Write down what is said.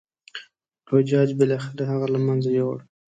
حجاج بالاخره هغه له منځه یووړ.